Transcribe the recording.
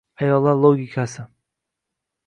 Ayollar logikasi